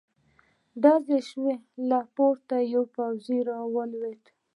ډزې شوې، له پورته يو پوځې را ولوېد.